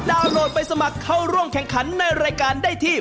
โหลดไปสมัครเข้าร่วมแข่งขันในรายการได้ที่